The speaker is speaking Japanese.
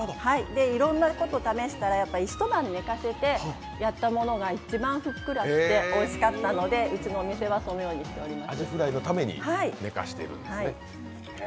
いろんなこと試したら一晩寝かせてやったものが一番ふっくらしておいしかったのでうちのお店はそのようにしています。